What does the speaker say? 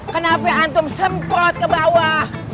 kenapa antum semprot ke bawah